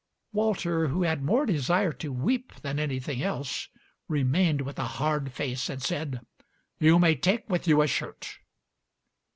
Walter, who had more desire to weep than anything else, remained with a hard face and said, "You may take with you a shirt."